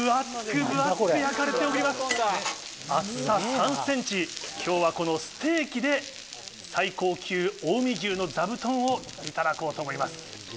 ・厚さ３ｃｍ今日はこのステーキで最高級近江牛のザブトンをいただこうと思います。